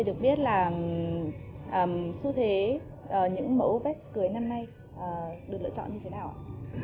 xu thế những mẫu vest cưới năm nay được lựa chọn như thế nào ạ